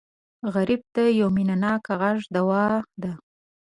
غریب ته یو مینهناک غږ دوا ده